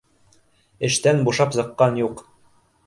Эштән бушап сыҡҡан юҡ